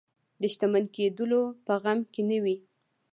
د شتمن کېدلو په غم کې نه وي.